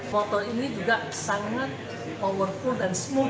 motor ini juga sangat powerful dan smooth